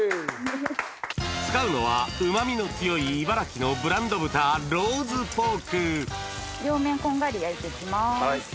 使うのはうまみの強い茨城のブランド豚両面こんがり焼いていきます。